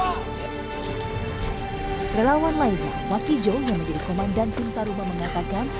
kerelawan lainnya wak ijo yang menjadi komandan pintaruma mengatakan